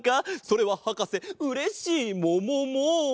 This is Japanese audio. それははかせうれしいももも！